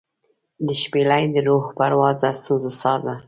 دشپیلۍ دروح پروازه سوزوسازه